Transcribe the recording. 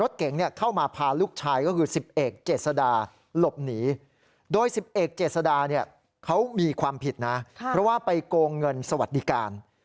เป็นทหารเกษียณอายุราชกาล